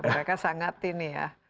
mereka sangat ini ya